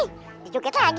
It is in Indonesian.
eh dia joget lagi